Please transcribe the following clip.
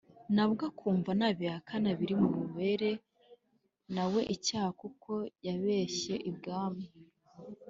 na bwo akumva nabihakana biri bumubere na we icyaha kuko yabeshye ibwami !